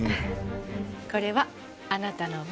これはあなたの分。